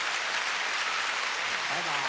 バイバーイ。